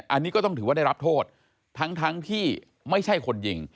อันนี้ก็ต้องถือว่าได้รับโทษทั้งที่ไม่ใช่คนยิง